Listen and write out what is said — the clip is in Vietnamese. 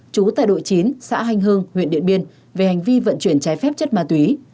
trú tại đội chín xã hanh hương huyện điện biên về hành vi vận chuyển trái phép chất ma túy